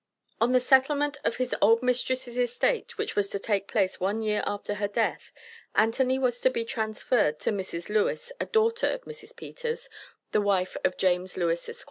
On the settlement of his old mistress' estate, which was to take place one year after her death, Anthony was to be transferred to Mrs. Lewis, a daughter of Mrs. Peters (the wife of James Lewis, Esq.).